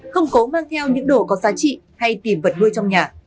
không cố mang theo những đồ có giá trị hay tìm vật nuôi trong nhà